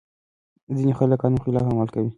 ځينې خلګ د قانون خلاف عمل کوي.